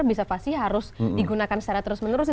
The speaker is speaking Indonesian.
bisa pasti harus digunakan secara terus menerus